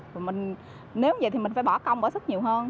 nếu như vậy thì mình phải bỏ công bỏ sức nhiều hơn